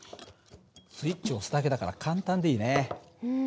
スイッチを押すだけだから簡単でいいね。